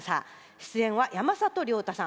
出演は山里亮太さん。